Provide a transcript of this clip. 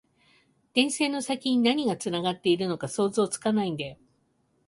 電線の先に何がつながっているのか想像つかないんだよ